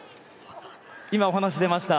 今お話に出ました